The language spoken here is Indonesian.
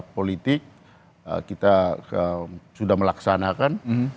politik kita sudah melaksanakan